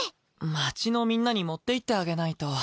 町のみんなに持っていってあげないと。